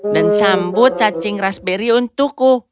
dan sambut cacing raspberry untukku